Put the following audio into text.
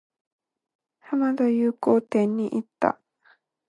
浜田雅功展に行った。